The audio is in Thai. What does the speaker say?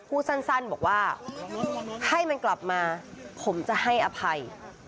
พูดสั้นบอกว่าให้มันกลับมาผมจะให้อภัย